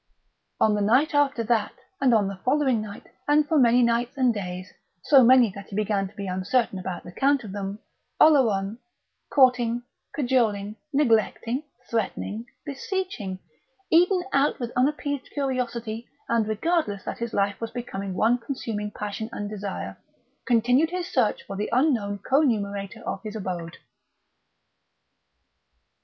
On the night after that, and on the following night, and for many nights and days, so many that he began to be uncertain about the count of them, Oleron, courting, cajoling, neglecting, threatening, beseeching, eaten out with unappeased curiosity and regardless that his life was becoming one consuming passion and desire, continued his search for the unknown co numerator of his abode.